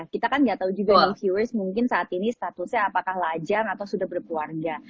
kita kan nggak tahu juga yang viewers mungkin saat ini statusnya apakah lajang atau sudah berkeluarga